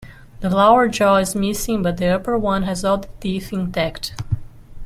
The lower jaw is missing but the upper one has all the teeth intact.